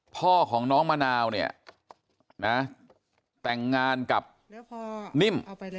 พ่อของน้องมะนาวเนี่ยนะแต่งงานกับพ่อนิ่ม